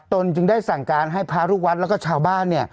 ตนจึงได้สั่งการให้พระลูกวัดแล้วก็ชาวบ้าน